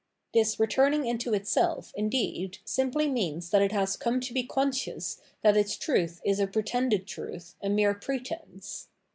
This returning into itself, indeed, simply means that it has come to be conscious that its truth is a, pretended truth, a mere pretence.